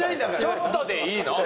ちょっとでいいの！